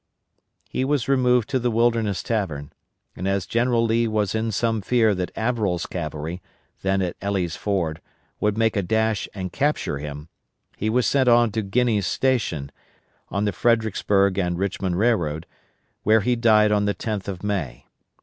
He was removed to the Wilderness Tavern, and as General Lee was in some fear that Averell's cavalry, then at Elley's Ford, would make a dash and capture him, he was sent on to Guiney's Station, on the Fredericksburg and Richmond Railroad, where he died on the 10th of May.